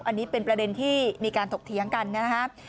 อันนี้เป็นประเด็นที่มีการถกเถียงกันนะครับ